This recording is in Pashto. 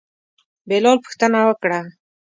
بلال پوښتنه وکړه.